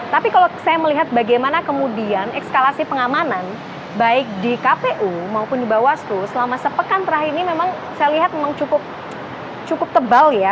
tapi kalau saya melihat bagaimana kemudian ekskalasi pengamanan baik di kpu maupun di bawaslu selama sepekan terakhir ini memang saya lihat memang cukup tebal ya